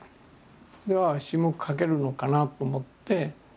詩も書けるのかなと思って。